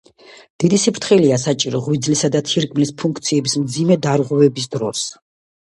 დიდი სიფრთხილეა საჭირო ღვიძლისა და თირკმლის ფუნქციების მძიმე დარღვევების დროს.